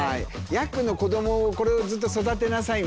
ヤクの子どもを「これをずっと育てなさい」みたいな。